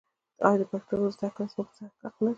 آیا د پښتو زده کړه زموږ حق نه دی؟